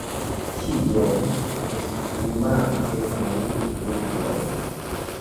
Kiom, esprimante en rubloj?